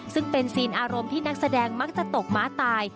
ซึ่งเป็นซีนอารมณ์ที่นักแสดงมักจะตกม้าตาย